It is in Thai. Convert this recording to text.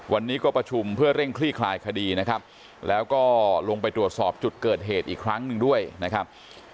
วันนี้ก็ประชุมเพื่อเร่งคลี่คลายคดีนะครับแล้วก็ลงไปตรวจสอบจุดเกิดเหตุอีกครั้งหนึ่งด้วยนะครับ